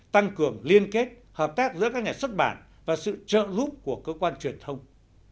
tăng cường liên kết hợp tác giữa các nhà xuất bản và sự trợ giúp của cơ quan truyền thông